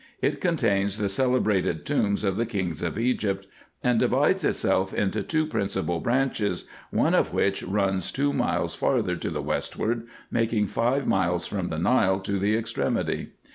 It contains the celebrated tombs of the kings of Egypt, and divides IN EGYPT, NUBIA, &c. 225 itself into two principal branches, one of which runs two miles farther to the westward, making five miles from the Nile to the extremity.